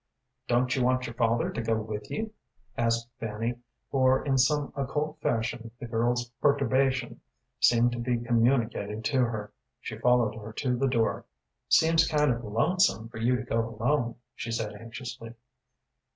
"Don't you want your father to go with you?" asked Fanny, for in some occult fashion the girl's perturbation seemed to be communicated to her. She followed her to the door. "Seems kind of lonesome for you to go alone," she said, anxiously.